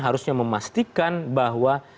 harusnya memastikan bahwa